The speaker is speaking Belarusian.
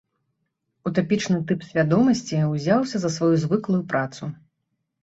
Утапічны тып свядомасці ўзяўся за сваю звыклую працу.